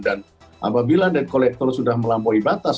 dan apabila debt collector sudah melampaui batas